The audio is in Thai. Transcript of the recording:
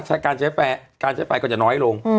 ถ้าการใช้ไฟการใช้ไฟก็จะน้อยลง